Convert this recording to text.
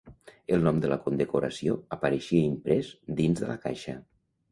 El nom de la condecoració apareixia imprès dins de la caixa.